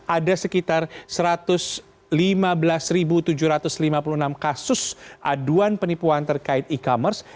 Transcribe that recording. ada sekitar satu ratus lima belas tujuh ratus lima puluh enam kasus aduan penipuan terkait e commerce